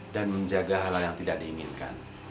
dan menjaga hal hal yang tidak diinginkan